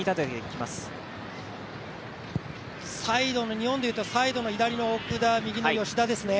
日本でいったらサイドの奥田、右の吉田ですね。